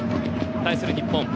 対する日本